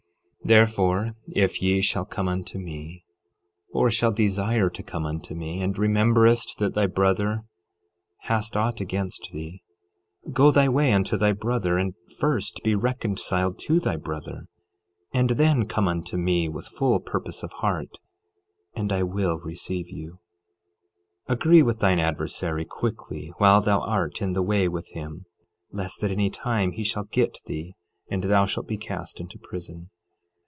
12:23 Therefore, if ye shall come unto me, or shall desire to come unto me, and rememberest that thy brother hast aught against thee— 12:24 Go thy way unto thy brother, and first be reconciled to thy brother, and then come unto me with full purpose of heart, and I will receive you. 12:25 Agree with thine adversary quickly while thou art in the way with him, lest at any time he shall get thee, and thou shalt be cast into prison.